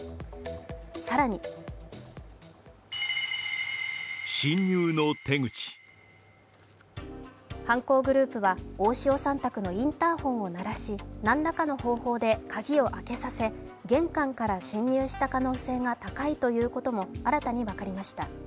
更に犯行グループは大塩さん宅のインターフォンを鳴らし何らかの方法で鍵を開けさせ玄関から侵入した可能性が高いということも新たに分かりました。